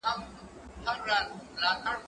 هغه وويل چي بازار ګټور دی؟!